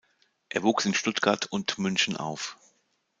Er wuchs in Stuttgart und München auf.